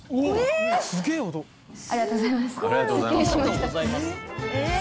ありがとうございます。